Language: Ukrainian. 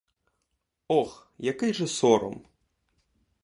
Ох, який же сором!